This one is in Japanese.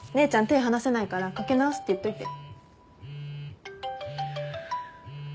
手離せないからかけ直すって言っといて。